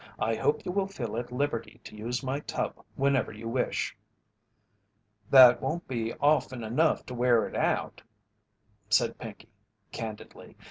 "I hope you will feel at liberty to use my tub whenever you wish." "That won't be often enough to wear it out," said Pinkey, candidly.